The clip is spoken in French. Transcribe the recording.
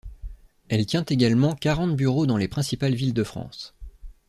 Elle tient également quarante bureaux dans les principales villes de France.